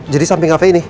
jadi samping cafe ini